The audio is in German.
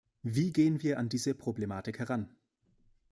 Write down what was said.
Wie gehen wir an diese Problematik heran?